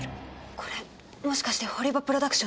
これもしかして堀場プロダクションの人が。